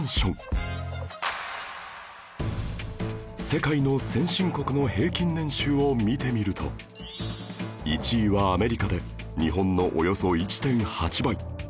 世界の先進国の平均年収を見てみると１位はアメリカで日本のおよそ １．８ 倍